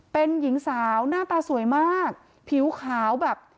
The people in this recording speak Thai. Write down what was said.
เป็นหญิงสาวหน้าตาสวยมากผิวขาวแบบ